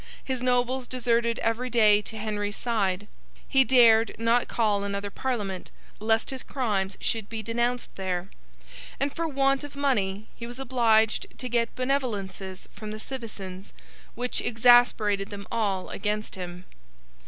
His nobles deserted every day to Henry's side; he dared not call another Parliament, lest his crimes should be denounced there; and for want of money, he was obliged to get Benevolences from the citizens, which exasperated them all against him.